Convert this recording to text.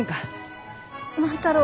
万太郎。